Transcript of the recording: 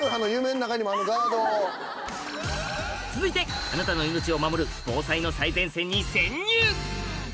続いてあなたの命を守る防災の最前線に潜入